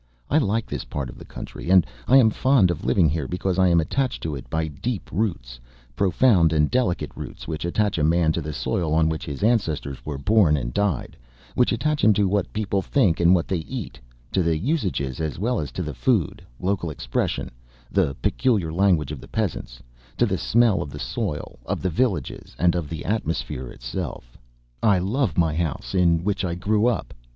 I like this part of the country and I am fond of living here because I am attached to it by deep roots, profound and delicate roots which attach a man to the soil on which his ancestors were born and died, which attach him to what people think and what they eat, to the usages as well as to the food, local expression, the peculiar language of the peasants, to the smell of the soil, of the villages and of the atmosphere itself. I love my house in which I grew up.